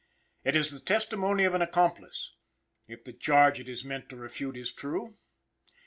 It is the testimony of an accomplice, if the charge it is meant to refute is true.